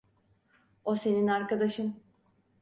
O senin arkadaşın.